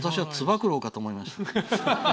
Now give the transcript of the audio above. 私は、つば九郎かと思いました。